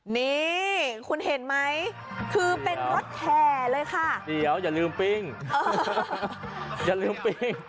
นี่คุณเห็นไหมคือเป็นรถแห่เลยค่ะเดี๋ยวอย่าลืมปิ้งอย่าลืมปิ้ง